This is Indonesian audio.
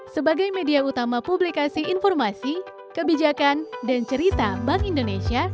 sebagai media utama publikasi informasi kebijakan dan cerita bank indonesia